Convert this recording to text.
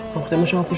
mau ketemu sama kusoy